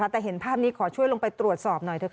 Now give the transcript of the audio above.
แต่เห็นภาพนี้ขอช่วยลงไปตรวจสอบหน่อยเถอะค่ะ